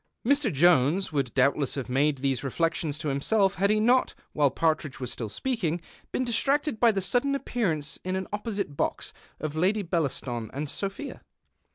Mr. Jones would doubtless have made these reflections to himself had he not, while Partridge was still speaking, been distracted by the sudden appearance in an opposite box of Lady Bcllaston and Sophia.